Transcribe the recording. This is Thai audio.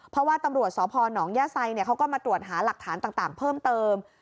เพราะว่าตำรวจสพนย่าไซเขาก็มาตรวจหาหลักฐานต่างเพิ่มเติม